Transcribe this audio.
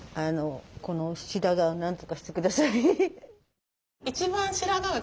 この白髪をなんとかして下さい。